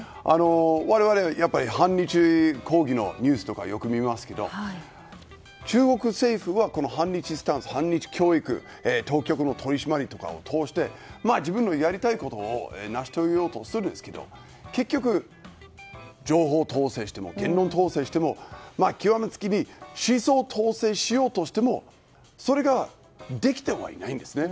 我々、反日抗議のニュースとかよく見ますけど中国政府はこの反日スタンス反日教育当局の取り締まりとかを通して自分のやりたいことを成し遂げようとしますけど結局、情報統制しても言論統制しても、極め付けに思想統制をしようとしてもそれができてはいないんですね。